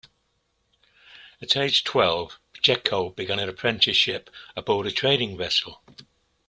At age twelve, Pacheco began an apprenticeship aboard a trading vessel.